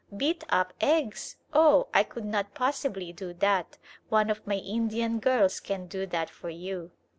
"Beat up eggs! Oh! I could not possibly do that. One of my Indian girls can do that for you."